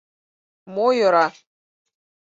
— Мо «йӧра»?